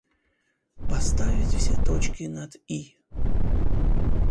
Поставить все точки над «и».